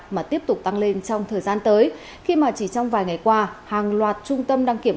mà tiếp tục tăng lên trong thời gian tới khi mà chỉ trong vài ngày qua hàng loạt trung tâm đăng kiểm